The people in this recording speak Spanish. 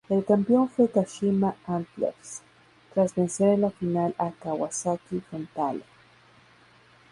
El campeón fue Kashima Antlers, tras vencer en la final a Kawasaki Frontale.